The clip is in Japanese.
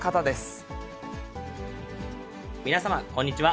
皆様、こんにちは。